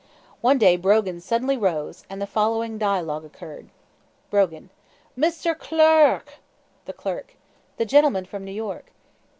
One day Brogan suddenly rose, and the following dialogue occurred: Brogan. Misther Clu r r k! The Clerk. The gentleman from New York.